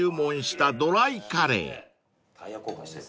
タイヤ交換したい。